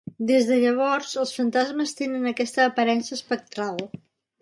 Des de llavors, els fantasmes tenen aquesta aparença espectral.